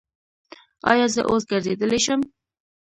ایا زه اوس ګرځیدلی شم؟